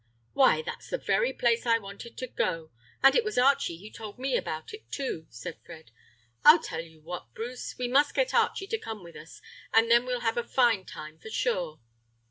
"Why, that's the very place I wanted to go to; and it was Archie who told me about it, too," said Fred. "I'll tell you what, Bruce, we must get Archie to come with us, and then we'll have a fine time for sure."